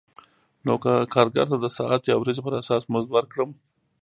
نو که کارګر ته د ساعت یا ورځې پر اساس مزد ورکړم